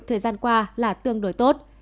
thời gian qua là tương đối tốt